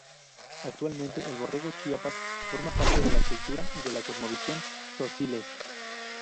Actualmente el borrego Chiapas forma parte de la cultura y de la cosmovisión tzotziles.